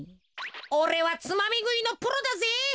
おれはつまみぐいのプロだぜ。